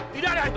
tidak ada itu